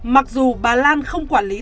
mặc dù bà lan không quản lý